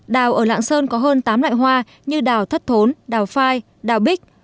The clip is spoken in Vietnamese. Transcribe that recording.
đào ở lạng sơn có hơn tám loại hoa như đào thất thốn đào phai đào bích